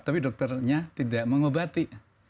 tapi dokternya tidak mengobati